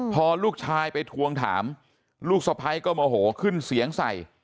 พอลูกชายไปทวงถามลูกสะพ้ายก็โมโหขึ้นเสียงใส่